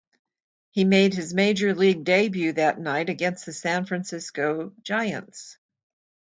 He made his major league debut that night against the San Francisco Giants.